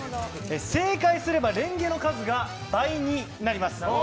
正解すればレンゲの数が倍になります。